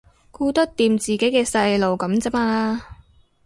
顧得掂自己嘅細路噉咋嘛